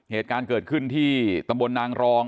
เหตุการณ์เกิดขึ้นที่ตำบลนางรอง